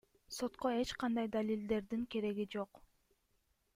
Сотко эч кандай далилдердин кереги жок.